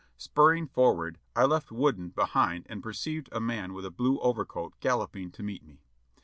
Spurring forward I left Wooden behind and perceived a man with a blue overcoat galloping to meet me.